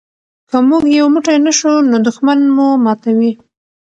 که موږ یو موټی نه شو نو دښمن مو ماتوي.